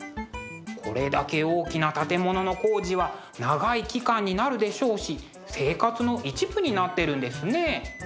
これだけ大きな建物の工事は長い期間になるでしょうし生活の一部になってるんですね。